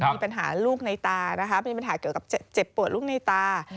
มีปัญหาลูกในตานะคะมีปัญหาเกี่ยวกับเจ็บปวดลูกในตา